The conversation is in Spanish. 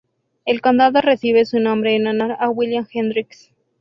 El condado recibe su nombre en honor a William Hendricks.